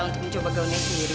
untuk mencoba gaunnya sendiri